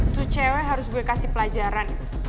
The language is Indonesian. to cewek harus gue kasih pelajaran